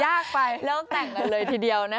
ยากไปเพียงแต่งแล้วเลยทีเดียวไง